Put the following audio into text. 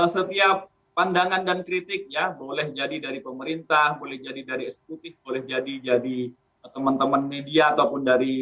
setiap pandangan dan kritik ya boleh jadi dari pemerintah boleh jadi dari eksekutif boleh jadi jadi teman teman media ataupun dari